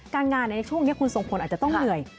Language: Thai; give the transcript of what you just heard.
การงานในช่วงนี้คุณทรงพลอาจจะต้องเหนื่อย